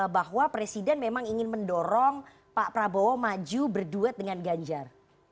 bahwa presiden memang ingin mendorong pak prabowo maju berduet dengan ganjar